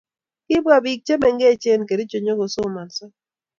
Kibwa biik chemengech Kericho nyikosomanso